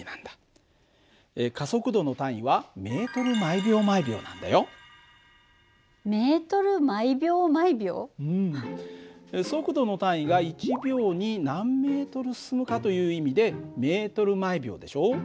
加速度の単位は速度の単位が１秒に何ｍ進むかという意味でｍ／ｓでしょ。